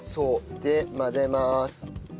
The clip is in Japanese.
で混ぜます。